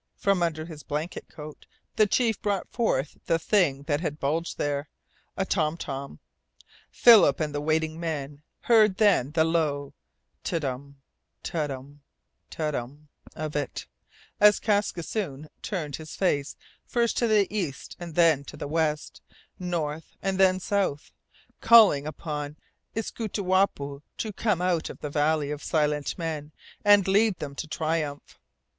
From under his blanket coat the chief brought forth the thing that had bulged there, a tom tom. Philip and the waiting men heard then the low Te dum Te dum Te dum of it, as Kaskisoon turned his face first to the east and then the west, north and then south, calling upon Iskootawapoo to come from out of the valley of Silent Men and lead them to triumph.